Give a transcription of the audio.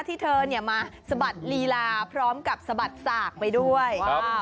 ที่เธอมาสะบัดลีลาพร้อมกับสะบัดสากไปด้วย